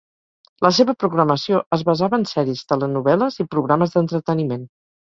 La seva programació es basava en sèries, telenovel·les i programes d'entreteniment.